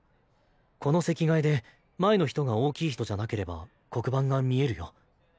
この席替えで前の人が大きい人じゃなければ黒板が見えるよ。